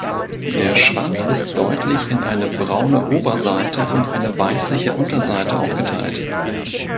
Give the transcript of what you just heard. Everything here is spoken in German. Der Schwanz ist deutlich in eine braune Oberseite und eine weißliche Unterseite aufgeteilt.